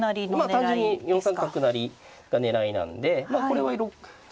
まあ単純に角成りが狙いなんでこれは。